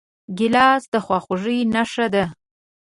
ګیلاس د خواخوږۍ نښه ده.